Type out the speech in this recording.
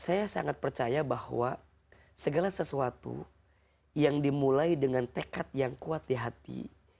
saya sangat percaya bahwa segala sesuatu yang dimulai dengan tekad yang kuat di hati